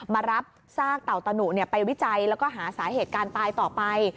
มารับซากเต่าตะหนุไปวิจัยแล้วก็หาสาเหตุการณ์ตายต่อไป